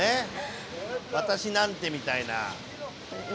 私なんてみたいな。